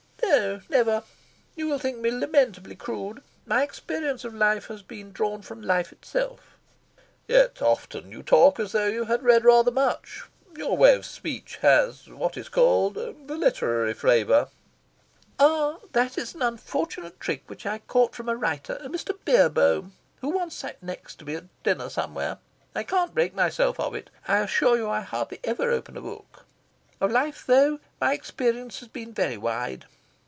"No, never. You will think me lamentably crude: my experience of life has been drawn from life itself." "Yet often you talk as though you had read rather much. Your way of speech has what is called 'the literary flavour'." "Ah, that is an unfortunate trick which I caught from a writer, a Mr. Beerbohm, who once sat next to me at dinner somewhere. I can't break myself of it. I assure you I hardly ever open a book. Of life, though, my experience has been very wide.